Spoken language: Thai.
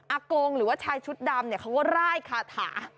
อากงหรือว่าชายชุดดำเขาก็แร่คาถา